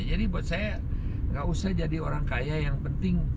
jadi buat saya nggak usah jadi orang kaya yang penting